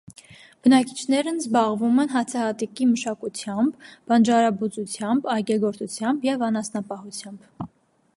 Բնակիչներն զբաղվում են հացահատիկի մշակությամբ, բանջարաբուծությամբ, այգեգործությամբ և անասնապահությամբ։